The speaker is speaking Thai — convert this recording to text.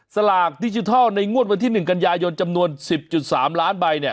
สลากดิจิทัลในงวดวันที่๑กันยายนจำนวน๑๐๓ล้านใบเนี่ย